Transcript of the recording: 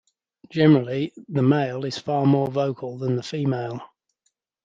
Generally, the male is far more vocal than the female.